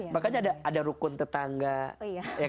makanya ada rukun tetangga